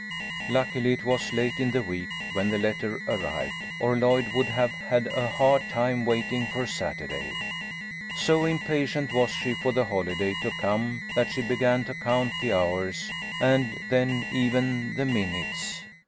Luckily it was late in the week when the letter arrived, or Lloyd would have had a hard time waiting for Saturday. So impatient was she for the holiday LLOYD MAKES A DISCOVERY. 20$ to come that she began to count the hours and then even the minutes.